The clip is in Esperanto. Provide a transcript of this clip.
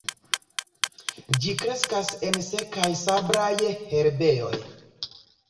Ĝi kreskas en sekaj sablaj herbejoj.